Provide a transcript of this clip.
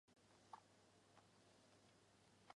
这是清朝第一个专为台湾设置的省级行政区。